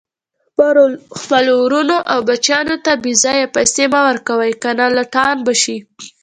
خپلو ورونو او بچیانو ته بیځایه پیسي مه ورکوئ، کنه لټان به شي